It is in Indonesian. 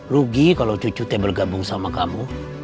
rugi kalau cucu teh bergabung sama kamu